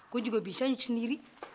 gua juga bisa nyuci sendiri